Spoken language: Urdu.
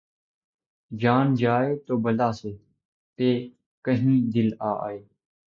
جان جائے تو بلا سے‘ پہ کہیں دل آئے